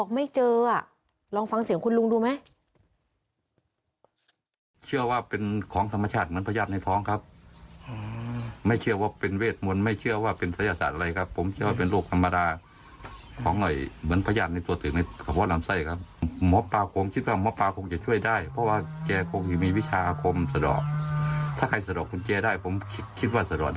แกก็ไม่เชื่อหรอกว่าเป็นเรื่องศัยศาสตร์